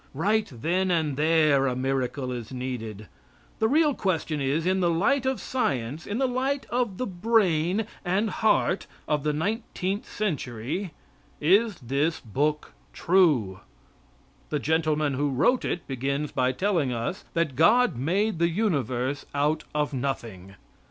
Right then and there a miracle is needed. The real question is, in the light of science, in the light of the brain and heart of the nineteenth century, is this book true? The gentleman who wrote it begins by telling us that God made the universe out of nothing.